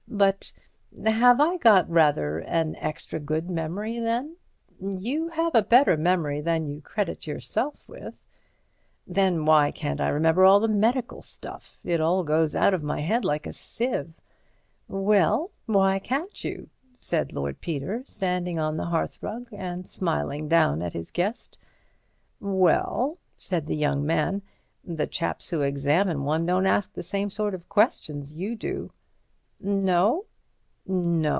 But—have I got rather an extra good memory, then?" "You have a better memory than you credit yourself with." "Then why can't I remember all the medical stuff? It all goes out of my head like a sieve." "Well, why can't you?" said Lord Peter, standing on the hearthrug and smiling down at his guest. "Well," said the young man, "the chaps who examine one don't ask the same sort of questions you do." "No?"